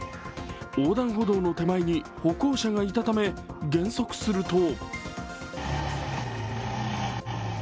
横断歩道の手前に歩行者がいたため減速すると。